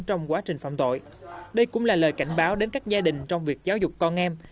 trong quá trình phạm tội đây cũng là lời cảnh báo đến các gia đình trong việc giáo dục con em